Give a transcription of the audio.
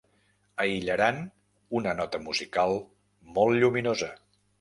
Aïllaran una nota musical molt lluminosa.